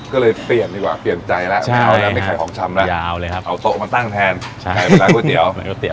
ก็เลยเปลี่ยนดีกว่าเปลี่ยนใจแล้ว